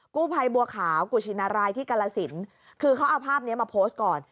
กู้ภัยบัวขาวกุชินารายที่กรสินคือเขาเอาภาพนี้มาโพสต์ก่อน